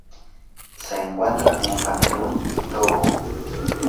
Se encuentra en Camerún y Togo.